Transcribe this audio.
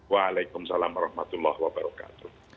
waalaikumsalam warahmatullah wabarakatuh